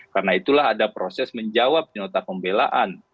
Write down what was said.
karena itulah ada proses menjawab penyeluruhan pembelaan